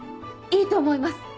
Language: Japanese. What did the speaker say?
いいと思います！